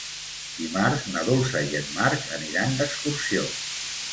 Dimarts na Dolça i en Marc aniran d'excursió.